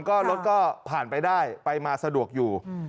ก็รถก็ผ่านไปได้ไปมาสะดวกอยู่